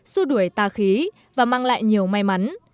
xua đuổi tà khí và mang lại nhiều may mắn